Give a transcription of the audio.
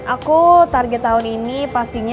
aku target tahun ini pastinya